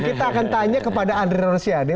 kita akan tanya kepada andre rosiade